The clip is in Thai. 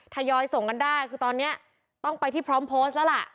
ทยอยส่งกันได้คือตอนนี้ต้องไปที่พร้อมโพสต์แล้วล่ะ